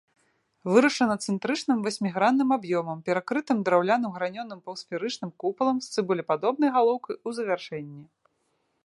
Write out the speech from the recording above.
Вырашана цэнтрычным васьмігранным аб'ёмам, перакрытым драўляным гранёным паўсферычным купалам з цыбулепадобнай галоўкай у завяршэнні.